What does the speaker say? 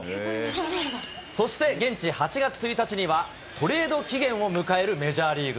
そして、現地８月１日には、トレード期限を迎えるメジャーリーグ。